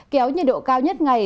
kéo nhiệt độ cao nhất ngày